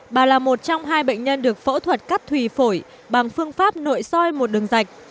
bà là một trong hai bệnh nhân được phẫu thuật cắt thủy phổi bằng phương pháp nội soi một đường dạch